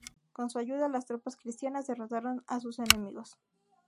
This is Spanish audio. Con su ayuda, las tropas cristianas derrotaron a sus enemigos.